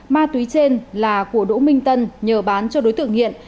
ma túy trên là của đỗ minh tân nhờ bán cho đối tượng nghiện